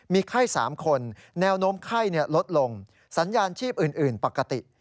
มีไข้๓คนแนวโน้มไข้ลดลงสัญญาณชีพอื่นปกติ